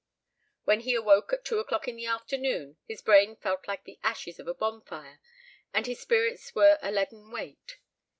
When he awoke at two o'clock in the afternoon his brain felt like the ashes of a bonfire and his spirits were a leaden weight.